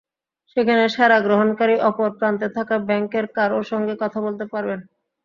যেখানে সেবা গ্রহণকারী অপর প্রান্তে থাকা ব্যাংকের কারও সঙ্গে কথা বলতে পারবেন।